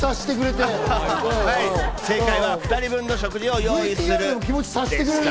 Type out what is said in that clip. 正解は、２人分の食事を用意するでした。